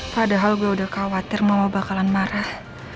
padahal gue udah khawatir mama bakalan marah